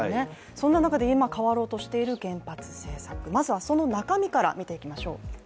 そんな中で今変わろうとしている原発政策、まずはその中身から見ていきましょう。